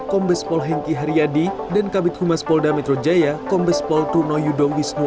kombes pol hengki haryadi dan kabit humas polda metro jaya kombes poltuno yudo wisnu